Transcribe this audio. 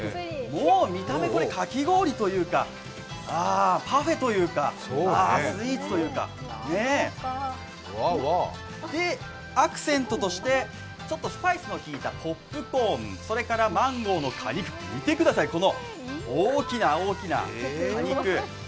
もう見た目、かき氷というかパフェというか、スイーツというかアクセントとしてスパイスの効いたポップコーン、それからマンゴーの果肉、見てください、この大きな大きな果肉。